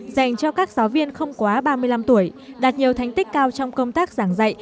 dành cho các giáo viên không quá ba mươi năm tuổi đạt nhiều thành tích cao trong công tác giảng dạy